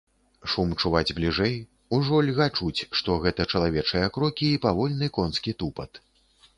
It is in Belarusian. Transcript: Шум чуваць бліжэй, ужо льга чуць, што гэта чалавечыя крокі і павольны конскі тупат.